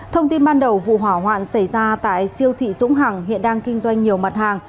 thông tin ban đầu vụ hỏa hoạn xảy ra tại siêu thị dũng hằng hiện đang kinh doanh nhiều mặt hàng